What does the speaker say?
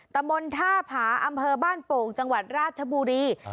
ตะมนต์ท่าผาอำเภอบ้านโป่งจังหวัดราชบุรี